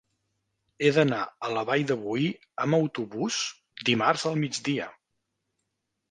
He d'anar a la Vall de Boí amb autobús dimarts al migdia.